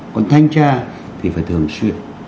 còn thanh tra thì phải thường xuyên